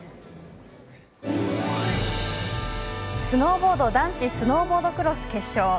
スノーボード男子スノーボードクロス決勝。